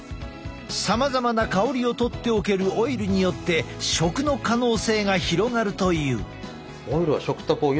さまざまな香りを取っておけるオイルによって食の可能性が広がるという。